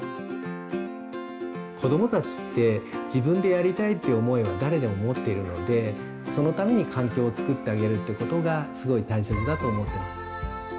子どもたちって「自分で」やりたいっていう思いは誰でも持っているのでそのために環境を作ってあげるってことがすごい大切だと思ってます。